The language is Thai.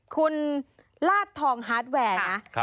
คุณลาดทองฮาร์ดแวร์นะ